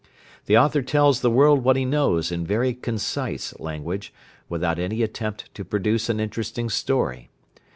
The author tells the world what he knows in very concise language, without any attempt to produce an interesting story.